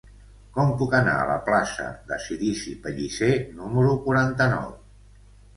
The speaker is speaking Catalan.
Com puc anar a la plaça de Cirici Pellicer número quaranta-nou?